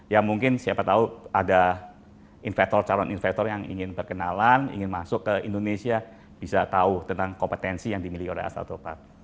ya mungkin siapa tahu ada investor calon investor yang ingin berkenalan ingin masuk ke indonesia bisa tahu tentang kompetensi yang dimiliki oleh astato park